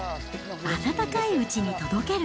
温かいうちに届ける。